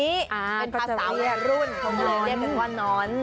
เป็นภาษาวรุ่นเรียกเป็นว่าน้อน